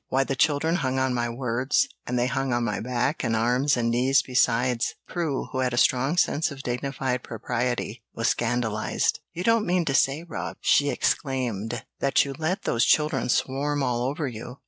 Why, the children hung on my words and they hung on my back and arms and knees besides." Prue, who had a strong sense of dignified propriety, was scandalized. "You don't mean to say, Rob," she exclaimed, "that you let those children swarm all over you?